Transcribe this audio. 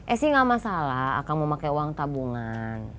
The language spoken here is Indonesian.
esy gak masalah akang mau pake uang tabungan